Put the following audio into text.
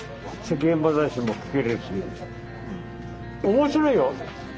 面白いよ。